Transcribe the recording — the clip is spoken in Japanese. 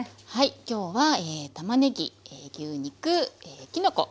今日はたまねぎ牛肉きのこ。